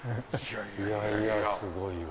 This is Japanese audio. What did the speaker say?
いやいやすごいわ。